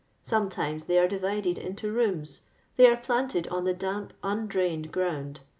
.•. Some times they are di\'ided into rooms ; they are planU'd on the damp undrained ground.